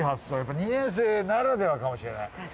やっぱり２年生ならではかもしれない。